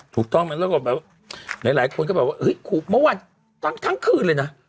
ถูกต้องมันแล้วก็แบบหลายคนก็บอกว่าเมื่อวันทั้งคืนเลยนะ